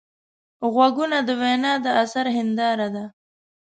غوږونه د وینا د اثر هنداره ده